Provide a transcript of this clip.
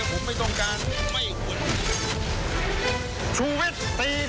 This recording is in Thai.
ผมไม่วงลืมกับคนเลวเลยผมไม่ต้องการไม่ควร